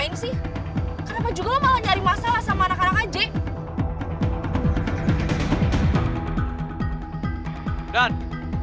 njayak tebing dong